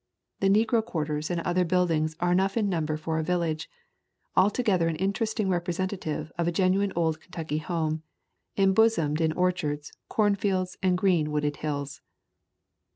The negro quarters and other buildings are enough in number for a village, altogether an interesting representative of a genuine old Kentucky home, embosomed in orchards, corn fields and green wooded hills.